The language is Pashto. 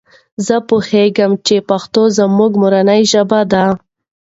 زه پوهیږم چې پښتو زما مورنۍ ژبه ده.